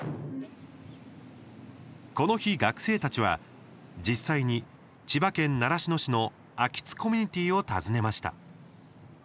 この日、学生たちは実際に千葉県習志野市の秋津コミュニティを訪ねました。